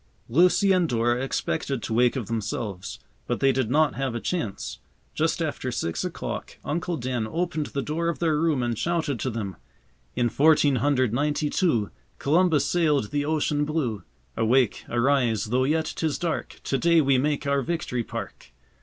Lucy and Dora expected to wake of themselves, but they did not have a chance. Just after six o'clock Uncle Dan opened the door of their room and shouted to them: "In fourteen hundred ninety two Columbus sailed the ocean blue. Awake, arise! though yet 'tis dark, To day we make our Victory Park."